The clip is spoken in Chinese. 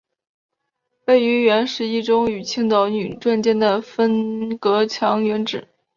位于原十一中与青岛女专间的分隔墙原址。